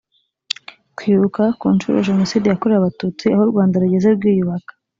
kwibuka ku nshuro ya jenoside yakorewe abatutsi aho u rwanda rugeze rwiyubaka